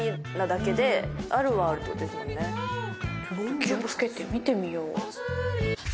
気を付けて見てみよう。